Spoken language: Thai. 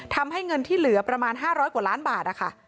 ทำให้เงินที่เหลือประมาณ๕๐๐กว่าล้านบาทนะคะ